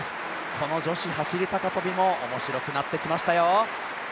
この女子走高跳も面白くなってきましたよ。